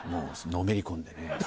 のめり込んで？